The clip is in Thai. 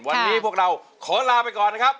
วันนี้พวกเราขอลาไปก่อนนะครับ